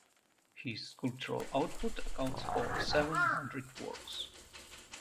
His sculptural output accounts for seven hundred works.